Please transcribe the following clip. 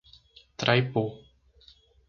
Traipu